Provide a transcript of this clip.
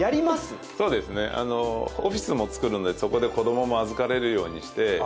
オフィスも作るのでそこで子供も預かれるようにして。